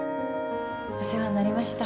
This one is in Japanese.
お世話になりました。